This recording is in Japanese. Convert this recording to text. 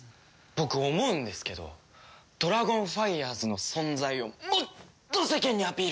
僕思うんですけどドラゴンファイヤーズの存在をもっと世間にアピールしたい。